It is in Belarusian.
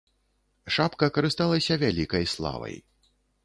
Шапка карысталася вялікай славай.